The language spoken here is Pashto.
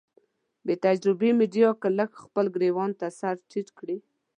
بې تجربې ميډيا که لږ خپل ګرېوان ته سر ټيټ کړي.